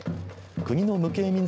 国の無形民俗